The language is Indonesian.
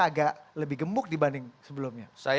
agak lebih gemuk dibanding sebelumnya